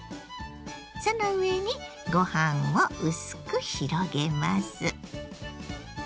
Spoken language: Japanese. その上にご飯を薄く広げます。